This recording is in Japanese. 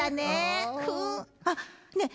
あっねえ